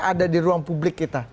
ada di ruang publik kita